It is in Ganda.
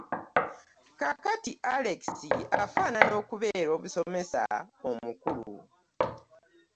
Kaakati Alex afaanana okubeera omusomesa omukulu.